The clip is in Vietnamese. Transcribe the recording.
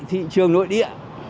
thị trường nội địa